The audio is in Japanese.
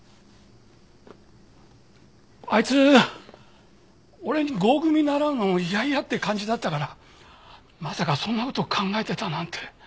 あいつ俺に合組習うのも嫌々って感じだったからまさかそんな事考えてたなんて。